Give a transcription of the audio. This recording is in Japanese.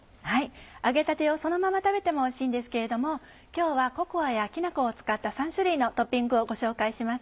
揚げたてをそのまま食べてもおいしいんですけれども今日はココアやきな粉を使った３種類のトッピングをご紹介します。